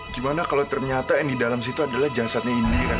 gimana kalau ternyata yang di dalam situ adalah jasadnya indiran